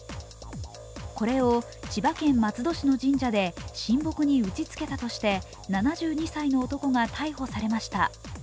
これを千葉県松戸市の神社で神木に打ちつけたとして７２歳の男が逮捕されました。